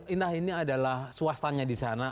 nah ini adalah swastanya di sana